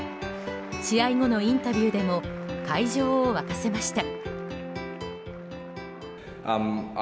試合後のインタビューでも会場を沸かせました。